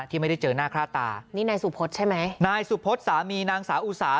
ที่ไม่ได้เจอหน้าค่าตานี่นายสุพธใช่ไหมนายสุพศสามีนางสาวอุสา